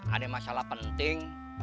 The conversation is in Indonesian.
ada masalah penting